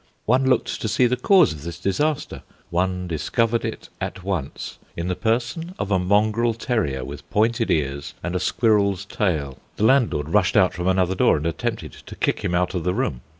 One looked to see the cause of this disaster: one discovered it at once in the person of a mongrel terrier with pointed ears and a squirrel's tail. The landlord rushed out from another door, and attempted to kick him out of the room.